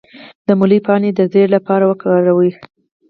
د مولی پاڼې د زیړي لپاره وکاروئ